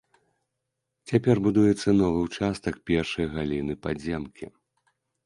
Цяпер будуецца новы ўчастак першай галіны падземкі.